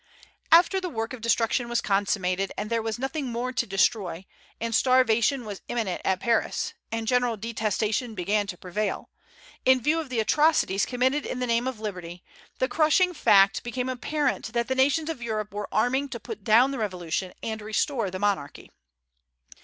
After the work of destruction was consummated, and there was nothing more to destroy, and starvation was imminent at Paris, and general detestation began to prevail, in view of the atrocities committed in the name of liberty, the crushing fact became apparent that the nations of Europe were arming to put down the Revolution and restore the monarchy.